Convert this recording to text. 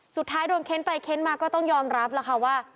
สุดท้ายโดนเค้นไปเค้นมาก็ต้องยอมรับแล้วค่ะว่า